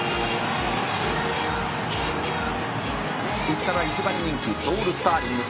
「内から１番人気ソウルスターリング